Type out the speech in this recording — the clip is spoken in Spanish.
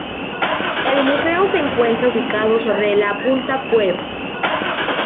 El museo se encuentra ubicado sobre la Punta Cuevas.